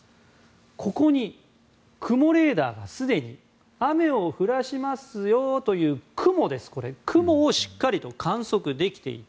ここに、雲レーダーがすでに雨を降らしますよという雲をしっかりと観測できていた。